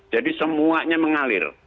jadi semuanya mengalir